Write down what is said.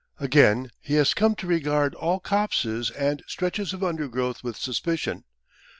Again, he has come to regard all copses and stretches of undergrowth with suspicion.